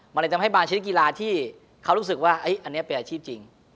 มันเลยทำให้บางชนิดกีฬาที่เขารู้สึกว่าอันนี้เป็นอาชีพจริง